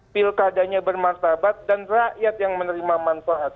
pilkadanya bermartabat dan rakyat yang menerima manfaat